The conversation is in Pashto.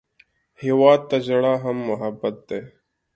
هېواد ته ژړا هم محبت دی